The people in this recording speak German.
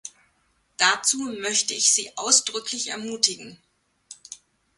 Dazu möchte ich Sie ausdrücklich ermutigen!